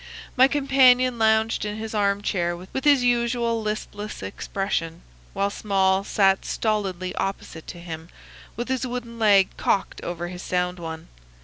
My companion lounged in his arm chair with his usual listless expression, while Small sat stolidly opposite to him with his wooden leg cocked over his sound one.